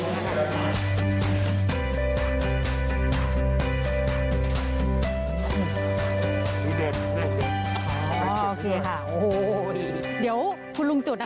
นี่เด็ดโอเคค่ะโอ้โหโอ้โหเดี๋ยวคุณลุงจุดนะคะ